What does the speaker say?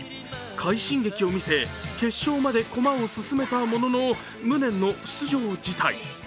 快進撃を見せ、決勝まで駒を進めたものの、無念の出場辞退。